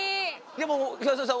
でも東野さん